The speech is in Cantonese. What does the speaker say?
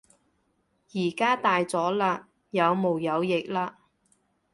而家大咗喇，有毛有翼喇